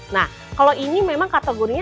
nah kalau ini memang kategorinya